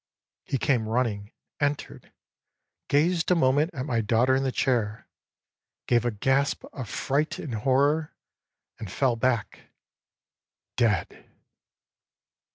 âHe came running, entered, gazed a moment at my daughter in the chair gave a gasp of fright and horror and fell back dead.